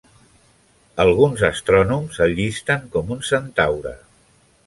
Alguns astrònoms el llisten com un centaure.